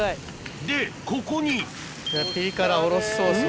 でここにピリ辛おろしソースを。